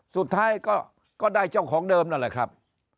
สุดท้ายก็ได้เจ้าของเดิมนั่นแหละครับ